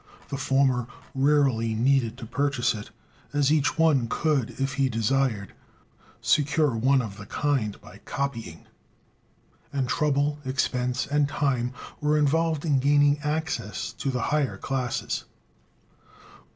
The former rarely needed to purchase it, as each one could, if he desired, secure one of the kind by copying; and trouble, expense, and time were involved in gaining access to the higher classes.